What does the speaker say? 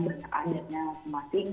banyak adatnya masing masing